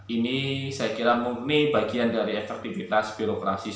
ini saya kira mengukni bagian dari efektivitas birokrasi saja